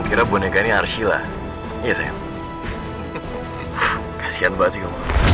kalau misalkan kamu luka yang arsyla